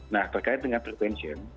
nah terkait dengan prevention